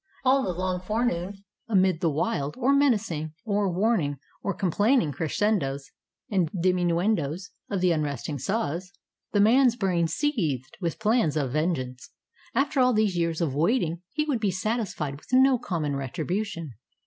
All the long forenoon, amid the wild, or menacing, or warning, or complaining crescendos and diminuendos of the unresting saws, the man's brain seethed with plans of vengeance. After all these years of waiting he would be satisfied with no common retribution.